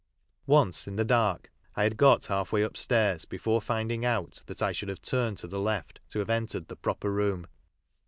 Once, in the dark, I had got half way upstairs, before tin ding out that I should have turned to the left to have entered the proper room.